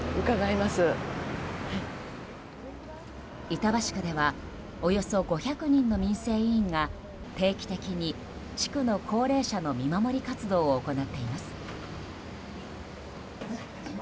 板橋区ではおよそ５００人の民生委員が定期的に地区の高齢者の見守り活動を行っています。